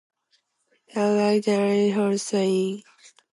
Udal law generally holds sway in Shetland and Orkney, along with Scots law.